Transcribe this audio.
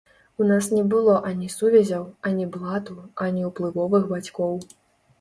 У нас не было ані сувязяў, ані блату, ані ўплывовых бацькоў.